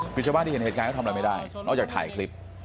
คือชาวบ้านที่เห็นเหตุการณ์เขาทำอะไรไม่ได้นอกจากถ่ายคลิป